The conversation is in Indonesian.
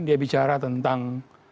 dia bicara tentang